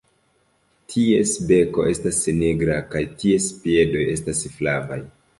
Ties beko estas nigra kaj ties piedoj estas flavaj.